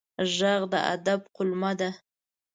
غږ د ادب قلمه ده